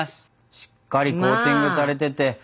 しっかりコーティングされてて。